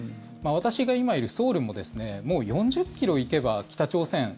私が今いるソウルももう４０ｋｍ行けば北朝鮮。